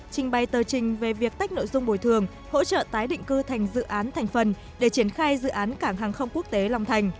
trình bày tờ trình về việc tách nội dung bồi thường hỗ trợ tái định cư thành dự án thành phần để triển khai dự án cảng hàng không quốc tế long thành